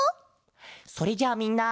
それじゃあみんな。